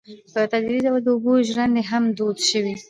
په تدریجي ډول د اوبو ژرندې هم دود شوې.